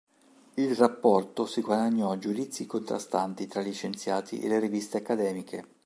Il rapporto si guadagnò giudizi contrastanti tra gli scienziati e le riviste accademiche.